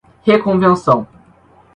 reconvenção